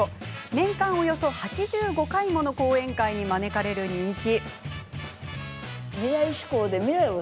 年間およそ８５回もの講演会に招かれる人気。